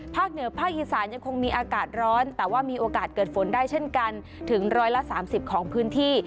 เหนือภาคอีสานยังคงมีอากาศร้อนแต่ว่ามีโอกาสเกิดฝนได้เช่นกันถึง๑๓๐ของพื้นที่